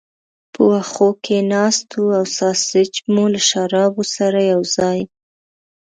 په وښو کې ناست او ساسیج مو له شرابو سره یو ځای.